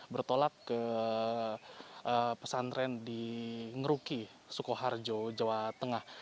bertolak ke pesantren di ngeruki sukoharjo jawa tengah